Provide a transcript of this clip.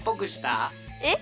えっ？